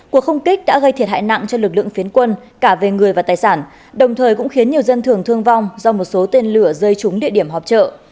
cuộc không kích đã gây thiệt hại nặng cho lực lượng phiến quân cả về người và tài sản đồng thời cũng khiến nhiều dân thường thương vong do một số tên lửa rơi trúng địa điểm họp trợ